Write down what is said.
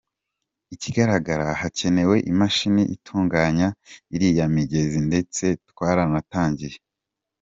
Ikigaragara hakenewe imashini itunganya iriya migezi ndetse twaratangiye.